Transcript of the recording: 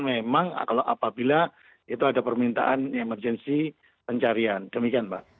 memang apabila itu ada permintaan emergensi pencarian demikian mbak